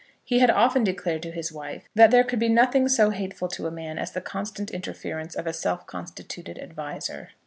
He had often declared to his wife that there could be nothing so hateful to a man as the constant interference of a self constituted adviser.